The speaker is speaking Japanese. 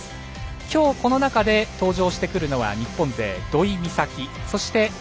きょう、この中で登場してくるのは日本勢、土居美咲。